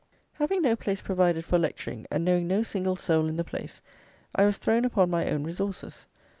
Having no place provided for lecturing, and knowing no single soul in the place, I was thrown upon my own resources.